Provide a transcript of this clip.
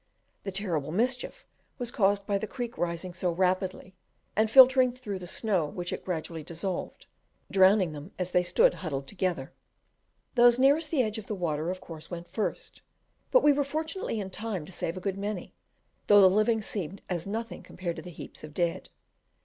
The terrible mischief was caused by the creek rising so rapidly, and, filtering through the snow which it gradually dissolved, drowned them as they stood huddled together. Those nearest the edge of the water of course went first, but we were fortunately in time to save a good many, though the living seemed as nothing compared to the heaps of dead.